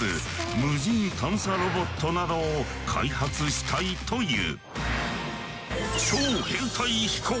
無人探査ロボットなどを開発したいという。